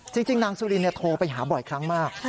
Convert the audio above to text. จริงนางสุรินโทรไปหาบ่อยครั้งมาก